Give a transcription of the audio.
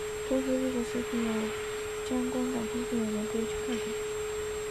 都是绿色食品有相关感兴趣的人可以去看看。